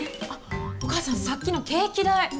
あっ、お義母さん、さっきのケーキ代。